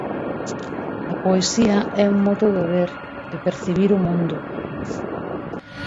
A poesía é un modo de ver, de percibir o mundo.